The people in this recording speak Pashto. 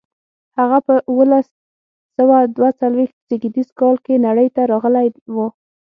هغه په اوولس سوه دوه څلویښت زېږدیز کال کې نړۍ ته راغلی و.